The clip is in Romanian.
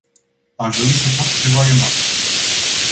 Aș dori să fac câteva remarci.